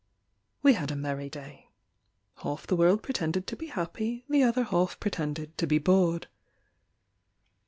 We had a merry day. Half the world pretended to be happy, The other half pretended to be bored.